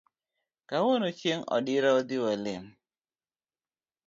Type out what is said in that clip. Kawuono chieng odira wadhi walemo